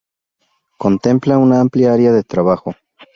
Contempla una amplia área de trabajo.